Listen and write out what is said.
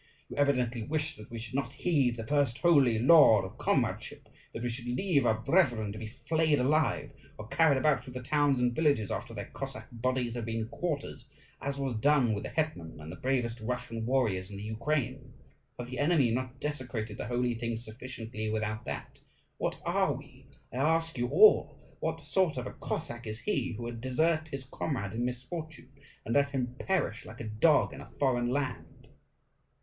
You evidently wish that we should not heed the first holy law of comradeship; that we should leave our brethren to be flayed alive, or carried about through the towns and villages after their Cossack bodies have been quartered, as was done with the hetman and the bravest Russian warriors in the Ukraine. Have the enemy not desecrated the holy things sufficiently without that? What are we? I ask you all what sort of a Cossack is he who would desert his comrade in misfortune, and let him perish like a dog in a foreign land?